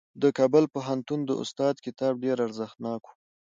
د کابل پوهنتون د استاد کتاب ډېر ارزښتناک و.